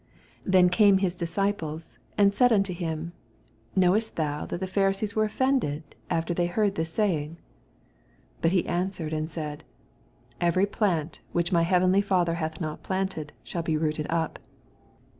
12 Then eame hla disciples, and said nitto him, Knowest thon that the Pharisees were offended, after they heard this saying I 18 But he answered and said, Every plant, which my heavenly Father hath not planted, shall be rooted up.